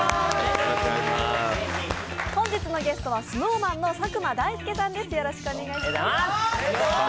本日のゲストはＳｎｏｗＭａｎの佐久間大介さんです。